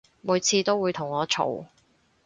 每次都會同我嘈